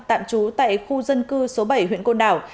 tạm trú tại khu dân cư số bảy huyện côn đảo